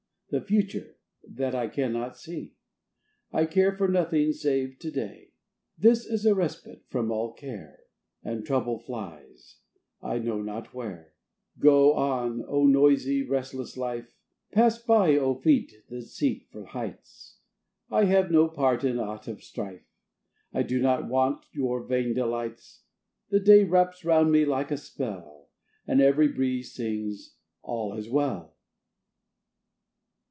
The future that I cannot see! I care for nothing save to day This is a respite from all care, And trouble flies I know not where. Go on, oh, noisy, restless life! Pass by, oh, feet that seek for heights! I have no part in aught of strife; I do not want your vain delights. The day wraps round me like a spell, And every breeze sings, "All is well."